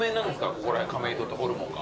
ここら辺亀戸とホルモンが。